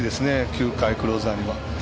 ９回、クローザーには。